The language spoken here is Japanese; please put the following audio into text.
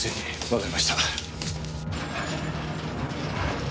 わかりました。